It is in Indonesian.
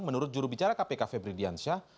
menurut jurubicara kpk febrilyansyah